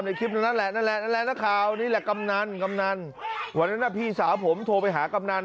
นี่แหละกำนันวันนั้นพี่สาวผมโทรไปหากำนัน